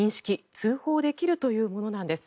・通報できるというものなんです。